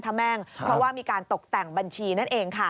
เพราะว่ามีการตกแต่งบัญชีนั่นเอง